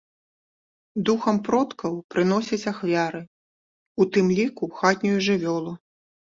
Духам продкаў прыносяць ахвяры, у тым ліку хатнюю жывёлу.